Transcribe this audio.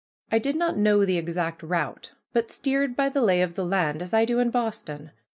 I did not know the exact route, but steered by the lay of the land, as I do in Boston.